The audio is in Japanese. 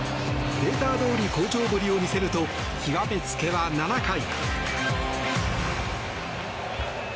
データどおり好調ぶりを見せると極めつけは７回。